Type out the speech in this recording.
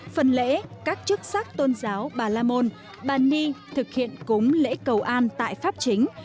phần lễ các chức sắc tôn giáo bà la môn bà ni thực hiện cúng lễ cầu an tại pháp chính